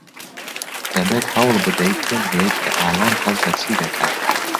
دەبێت هەوڵ بدەیت تێبگەیت کە ئالان هەست بە چی دەکات.